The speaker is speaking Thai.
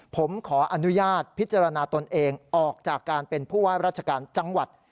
ผมขออนุญาตพิจารณาตนเองออกจากการเป็นผู้ว่าราชการจังหวัด